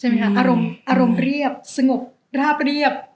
อารมณ์เรียบสงบราบเรียบ